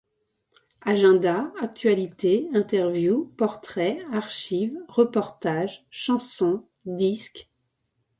Agenda, actualités, interviews, portraits, archives, reportages, chansons, disques...